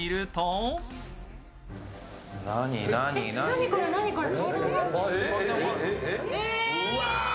何これ何これ。